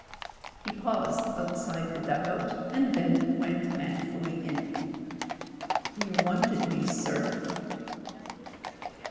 He paused outside the dug out and then went manfully in. "You wanted me, sir."